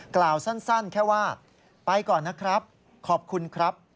กล่าวสั้นแค่ว่าไปก่อนนะครับขอบคุณครับ